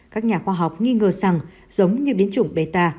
các nhà khoa học nghi ngờ rằng giống như biến chủng beta